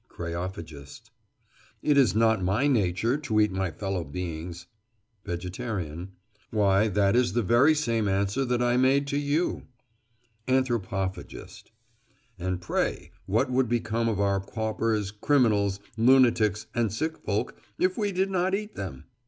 KREOPHAGIST: It is not my nature to eat my fellow beings. VEGETARIAN: Why, that is the very same answer that I made to you! ANTHROPOPHAGIST: And pray, what would become of our paupers, criminals, lunatics, and sick folk, if we did not eat them?